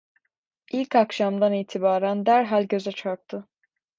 İlk akşamdan itibaren derhal göze çarptı.